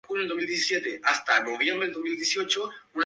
Tuvieron lugar en La Plata, Tigre y Lomas de Zamora.